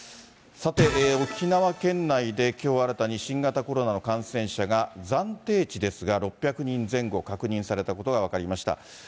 さて、沖縄県内できょう新たに新型コロナの感染者が、暫定値ですが６００人前後確認されたことが分かりました。